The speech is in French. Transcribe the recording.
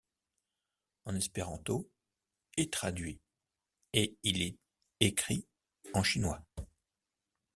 En espéranto, ' est traduit ', et il est écrit en chinois.